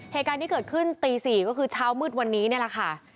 เหตุการณ์ที่เกิดขึ้นตี๔ก็คือเช้ามืดวันนี้นี่แหละค่ะ